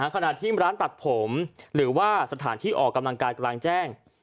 ขณะที่ร้านตัดผมหรือว่าสถานที่ออกกำลังกายกลางแจ้ง